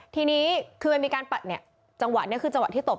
ทีนี้คือมันมีการปัดเนี่ยจังหวะนี้คือจังหวะที่ตบ